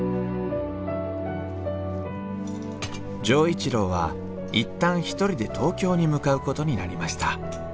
錠一郎は一旦一人で東京に向かうことになりました。